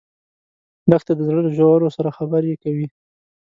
دښته د زړه له ژورو سره خبرې کوي.